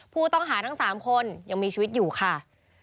ผู้ต้องหาทั้ง๓คนยังมีชีวิตอยู่ค่ะ